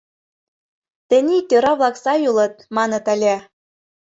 Тений тӧра-влак сай улыт, маныт ыле...